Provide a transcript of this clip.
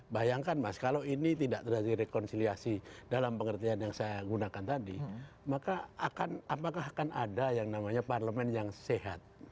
bayangkan mas kalau ini tidak terjadi rekonsiliasi dalam pengertian yang saya gunakan tadi maka apakah akan ada yang namanya parlemen yang sehat